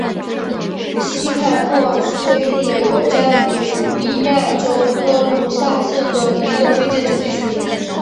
西卡莫尔是位于美国加利福尼亚州科卢萨县的一个非建制地区。